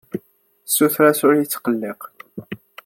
Ssutreɣ-as ur iyi-yettqelliq.